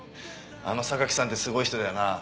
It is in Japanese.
あの榊さんってすごい人だよなあ。